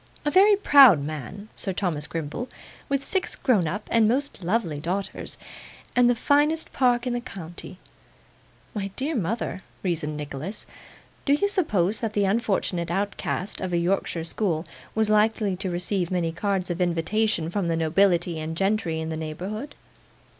'A very proud man, Sir Thomas Grimble, with six grown up and most lovely daughters, and the finest park in the county.' 'My dear mother,' reasoned Nicholas, 'do you suppose that the unfortunate outcast of a Yorkshire school was likely to receive many cards of invitation from the nobility and gentry in the neighbourhood?